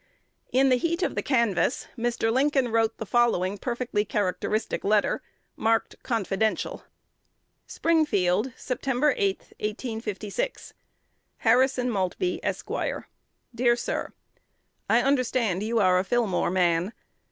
In the heat of the canvass, Mr. Lincoln wrote the following perfectly characteristic letter, marked "Confidential:" Springfield, Sept. 8, 1856. Harrison Maltby, Esq. Dear Sir, I understand you are a Fillmore man.